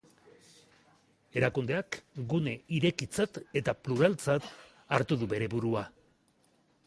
Erakundeak gune irekitzat eta pluraltzat hartu du bere burua.